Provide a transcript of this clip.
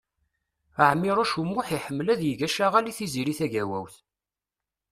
Ɛmiṛuc U Muḥ iḥemmel ad yeg acaɣal i Tiziri Tagawawt.